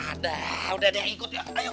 ada udah ada yang ikut ayo